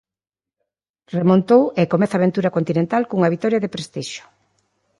Remontou e comeza a aventura continental cunha vitoria de prestixio.